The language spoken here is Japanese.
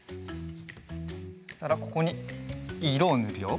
そしたらここにいろをぬるよ。